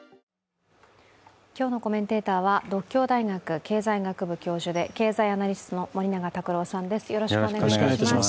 今日のコメンテーターは独協大学経済学部教授で経済アナリストの森永卓郎さんです。